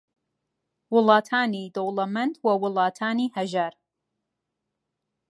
وڵاتانی دەوڵەمەند و وڵاتانی ھەژار